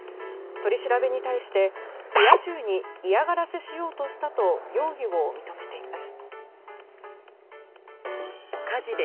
取り調べに対してリア充に嫌がらせしようとしたと容疑を認めています。